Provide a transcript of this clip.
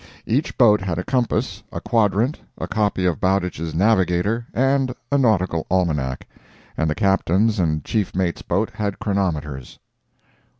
Each boat had a compass, a quadrant, a copy of Bowditch's Navigator and a nautical almanac, and the captain's and chief mate's boat had chronometers.